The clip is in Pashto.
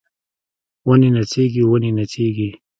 ونې نڅیږي ونې نڅیږي